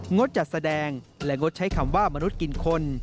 งดจัดแสดงและงดใช้คำว่ามนุษย์กินคน